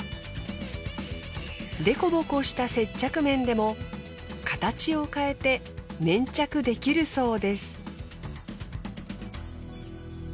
デコボコした接着面でも形を変えて粘着できるそうです。